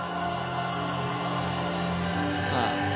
さあ。